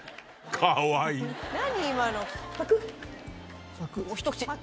かわいいな。